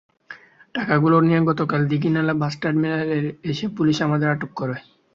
টাকাগুলো নিয়ে গতকাল দীঘিনালা বাস টার্মিনালে এলে পুলিশ আমাদের আটক করে।